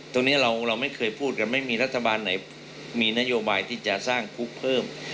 ตรงนี้เราไม่เคยพูดกันไม่มีรัฐบาลไหนมีนโยบายที่จะสร้างคุกเพิ่ม